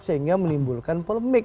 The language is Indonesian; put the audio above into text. sehingga menimbulkan polemik